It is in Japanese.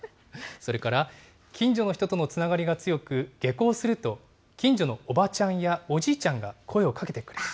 それから、近所の人とのつながりが強く、下校すると近所のおばちゃんやおじいちゃんが声をかけてくれた。